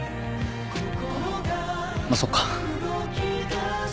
あぁまあそっか。